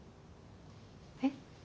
えっ？